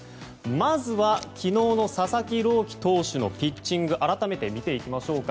まずは昨日の佐々木朗希投手のピッチング改めて見ていきましょう。